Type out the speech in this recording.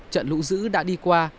trận lũ dữ đã đi qua